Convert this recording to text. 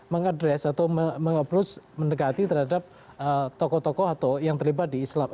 mengadres atau meng approach mendekati terhadap tokoh tokoh atau yang terlibat di islam